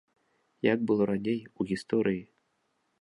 Як было раней, у гісторыі?